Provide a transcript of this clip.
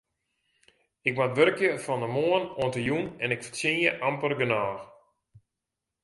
Ik moat wurkje fan de moarn oant de jûn en ik fertsjinje amper genôch.